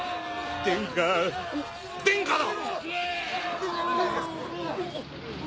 殿下おっ殿下だ！